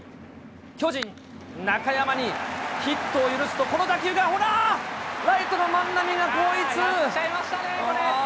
巨人、中山にヒットを許すと、この打球が、ほら、ライトの万波やっちゃいましたね、これ。